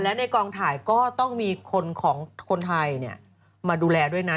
และในกองถ่ายก็ต้องมีคนของคนไทยมาดูแลด้วยนะ